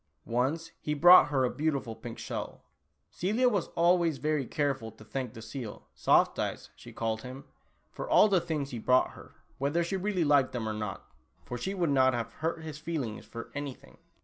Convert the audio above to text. Once he brought her a beautiful pink shell. Celia was always very careful to thank the seal (Soft Eyes, she called him) for all the things he brought her, whether she really liked them or not, for she would not have hurt his feelings for anything.